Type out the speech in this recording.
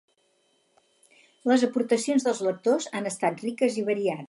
Les aportacions dels lectors han estat riques i variades.